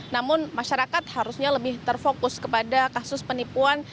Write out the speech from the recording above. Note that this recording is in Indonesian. namun masyarakat harusnya lebih terfokus kepada kasus penipuan